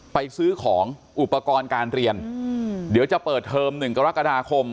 ไปซื้อของอุปกรณ์การเรียนเดี๋ยวจะเปิดเทอม๑กรกฎาคม